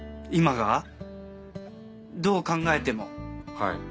はい。